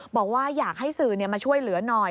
บอกว่าอยากให้สื่อมาช่วยเหลือหน่อย